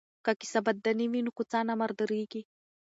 که کثافات دانی وي نو کوڅه نه مرداریږي.